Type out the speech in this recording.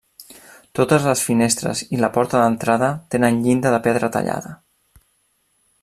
Totes les finestres i la porta d'entrada tenen llinda de pedra tallada.